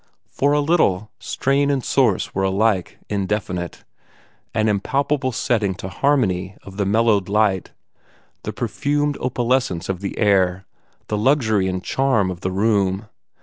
For a little, strain and source were alike indefinite an impalpable setting to harmony of the mellowed light, the perfumed opalescence of the air, the luxury and charm of the room.